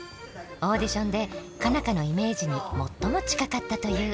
オーディションで佳奈花のイメージに最も近かったという。